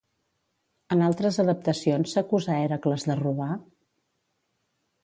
En altres adaptacions s'acusa Hèracles de robar?